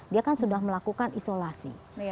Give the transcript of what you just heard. dia kan sudah melakukan isolasi